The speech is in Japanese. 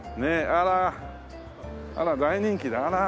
あら大人気だあら。